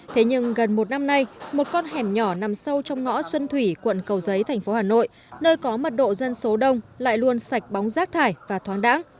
thế nhưng gần một năm nay một con hẻm nhỏ nằm sâu trong ngõ xuân thủy quận cầu giấy thành phố hà nội nơi có mật độ dân số đông lại luôn sạch bóng rác thải và thoáng đáng